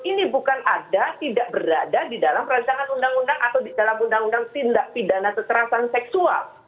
ini bukan ada tidak berada di dalam rancangan undang undang atau di dalam undang undang tindak pidana kekerasan seksual